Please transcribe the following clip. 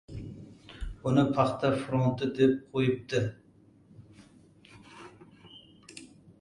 Buni paxta fronti deb qo‘yibdi!